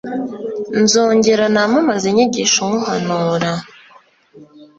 nzongera namamaze inyigisho nk'uhanura